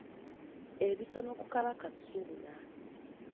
Ebitono ku Kabaka Ssuuna.